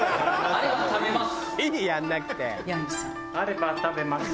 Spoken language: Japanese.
あれば食べます。